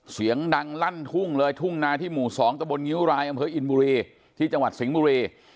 เสียงดังลั่นทุ่งเลยทุ่งนาที่หมู่๒ตะบนงิ้วรายอำเภออินบุรีที่จังหวัดสิงห์บุรี